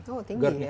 oh tinggi ya